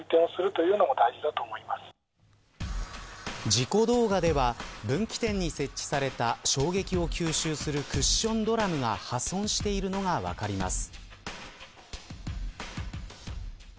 事故動画では分岐点に設置された衝撃を吸収するクッションドラムが破損しているのが分かります。